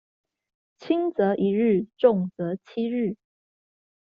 輕則一日重則七日